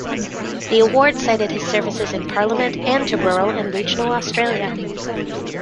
The award cited his services in Parliament and to rural and regional Australia.